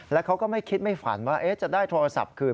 แล้วเขาก็ไม่คิดไม่ฝันว่าจะได้โทรศัพท์คืน